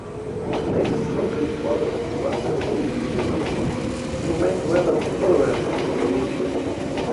Maybe because his mother was a Hindu princess, he remained rather tolerant of religion.